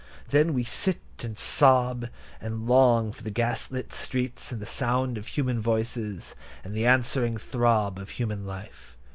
Then we sit and sob, and long for the gas lit streets, and the sound of human voices, and the answering throb of human life.